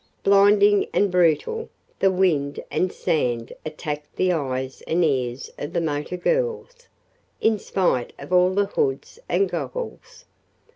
Blinding and brutal, the wind and sand attacked the eyes and ears of the motor girls, in spite of all the hoods and goggles.